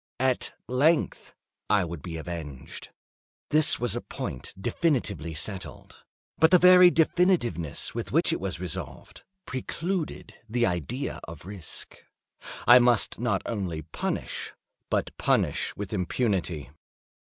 At length I would be avenged; this was a point definitively settled—but the very definitiveness with which it was resolved, precluded the idea of risk. I must not only punish, but punish with impunity.